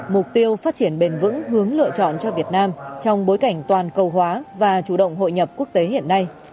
mục tiêu phát triển bền vững hướng lựa chọn cho việt nam trong bối cảnh toàn cầu hóa và chủ động hội nhập quốc tế hiện nay